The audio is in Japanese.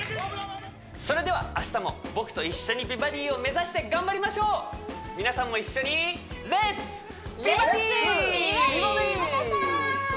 それでは明日も僕と一緒に美バディを目指して頑張りましょう皆さんも一緒に「レッツ！美バディ」また明日！